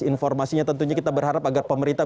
informasinya tentunya kita berharap agar pemerintah